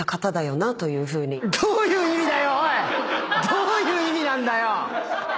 どういう意味なんだよ